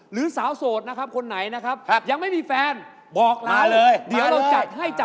หรือสาวโสดคนไหนนะครับยังไม่มีแฟนบอกเราเดี๋ยวเราจัดให้จัดให้เรา